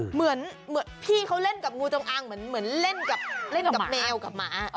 เหมือนพี่เขาเล่นกับงูจงอางเหมือนเล่นกับแมวกับหมา